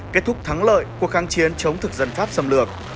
kết thúc thắng lợi cuộc kháng chiến chống thực dân pháp xâm lược